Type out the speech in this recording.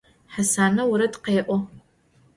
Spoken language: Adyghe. Hasane vored khê'o.